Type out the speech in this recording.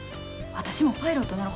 私もパイロットなろ。